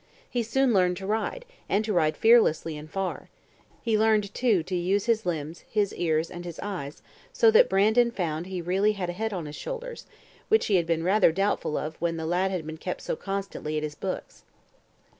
He soon learned to ride, and to ride fearlessly and far; he learned too to use his limbs, his ears, and his eyes, so that Brandon found he really had a head on his shoulders, which he had been rather doubtful of when the lad had been kept so constantly at his books.